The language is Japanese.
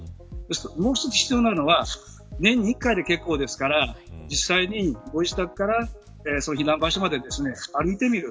もう一つ必要なのは年に１回で結構ですから実際にご自宅から避難場所まで歩いてみる。